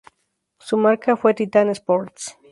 Su marca fue Titan Sports.